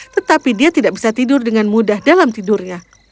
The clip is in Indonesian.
tetapi dia tidak bisa tidur dengan mudah dalam tidurnya